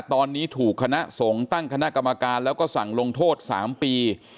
ตอนนี้ถูกคณะสงฆ์ตั้งคณะกรรมการแล้วก็สั่งลงโทษ๓ปี